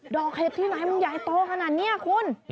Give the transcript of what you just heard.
ดอกเห็ดกินไหนมันย้ายโตขนาดนี้คุณ